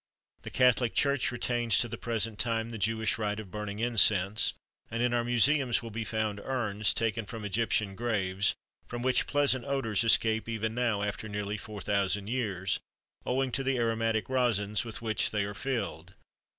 The Catholic Church retains to the present time the Jewish rite of burning incense, and in our museums will be found urns, taken from Egyptian graves, from which pleasant odors escape even now after nearly four thousand years, owing to the aromatic resins with which they are filled.